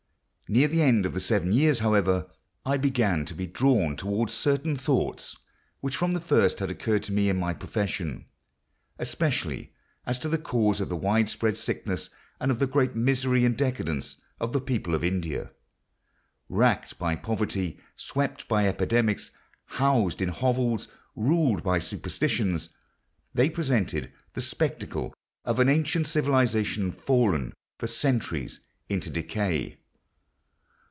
Near the end of the seven years, however, I began to be drawn toward certain thoughts which from the first had occurred to me in my profession, especially as to the cause of the widespread sickness and of the great misery and decadence of the people of India. Racked by poverty, swept by epidemics, housed in hovels, ruled by superstitions, they presented the spectacle of an ancient civilisation fallen for centuries into decay.